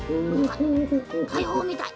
たいほうみたい。